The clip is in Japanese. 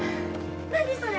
何それ？